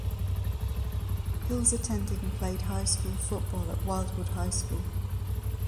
Hills attended and played high school football at Wildwood High School.